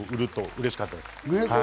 うれしかったです。